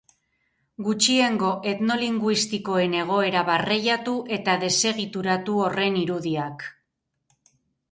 Gutxiengo etnolinguistikoen egoera barreiatu eta desegituratu horren irudiak C.